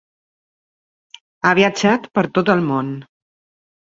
Ha viatjat per tot el món.